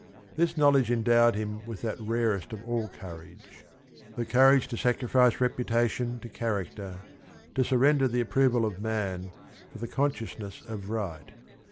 This knowledge endowed him with that rarest of all courage, the courage to sacrifice reputation to character, to surrender the approval of man for the consciousness of right.